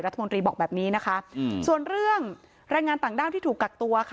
รัฐมนตรีบอกแบบนี้นะคะอืมส่วนเรื่องแรงงานต่างด้าวที่ถูกกักตัวค่ะ